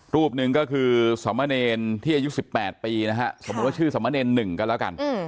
รูปนึงก็คือสำเน็นที่อายุ๑๘ปีกับชื่อสำเน็น๑กันแล้วกัน